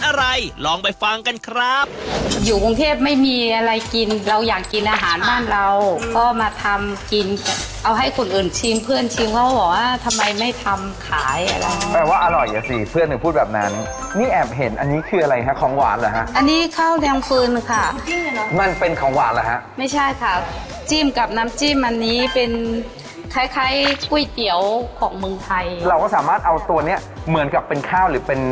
เอาให้คนอื่นชิมเพื่อนชิมเขาบอกว่าทำไมไม่ทำขายอะไรแปลว่าอร่อยอ่ะสิเพื่อนถึงพูดแบบนานนี้นี่แอบเห็นอันนี้คืออะไรฮะของหวานเหรอฮะอันนี้ข้าวแดงคืนค่ะมันเป็นของหวานหรอฮะไม่ใช่ค่ะจิ้มกับน้ำจิ้มอันนี้เป็นคล้ายคล้ายกุ้ยเตี๋ยวของเมืองไทยเราก็สามารถเอาตัวเนี้ยเหมือนกับเป็นข้า